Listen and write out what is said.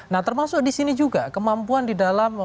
nah termasuk di sini juga kemampuan di dalam